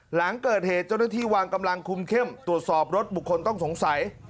หลังเกิดเหตุเจ้าหน้าที่วางกำลังคุมเข้มตรวจสอบรถบุคคลต้องสงสัย